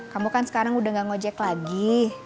kamu kan sekarang udah gak ngejek lagi